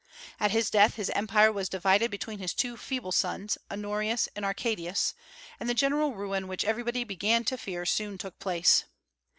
At his death his Empire was divided between his two feeble sons, Honorius and Arcadius, and the general ruin which everybody began to fear soon took place.